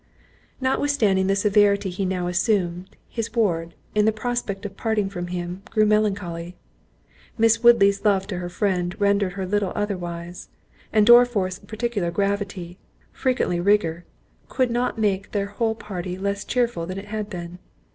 Notwithstanding the severity he now assumed, his ward, in the prospect of parting from him, grew melancholy; Miss Woodley's love to her friend rendered her little otherwise; and Dorriforth's peculiar gravity, frequently rigour, could not but make their whole party less cheerful than it had been.